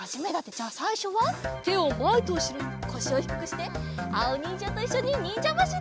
じゃあさいしょはてをまえとうしろにこしをひくくしてあおにんじゃといっしょににんじゃばしり！